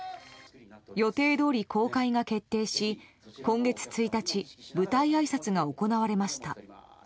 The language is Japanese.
予定どおり公開が決定し今月１日舞台あいさつが行われました。